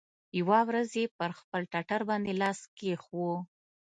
يوه ورځ يې پر خپل ټټر باندې لاس کښېښوو.